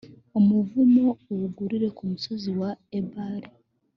umuvumo uwuvugire ku musozi wa ebali.